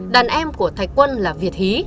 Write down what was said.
đàn em của thạch quân là việt hí